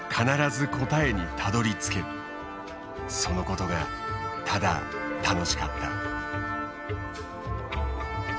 そのことがただ楽しかった。